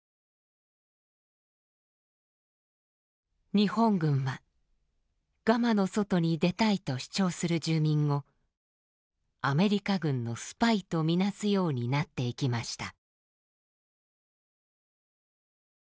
日本軍はガマの外に出たいと主張する住民をアメリカ軍のスパイと見なすようになっていきました。